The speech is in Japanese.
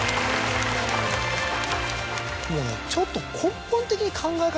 もうねちょっと根本的に考え方